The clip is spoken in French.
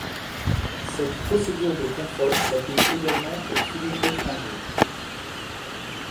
Cette procédure de contrôle s'applique également aux films étrangers.